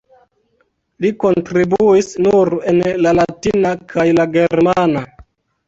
Li kontribuis nur en la latina kaj la germana.